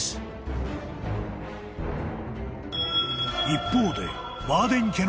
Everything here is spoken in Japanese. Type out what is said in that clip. ［一方で］